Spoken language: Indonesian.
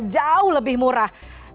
jauh lebih murah